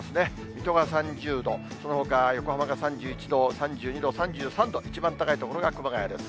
水戸が３０度、そのほか横浜が３１度、３２度、３３度、一番高い所が熊谷です。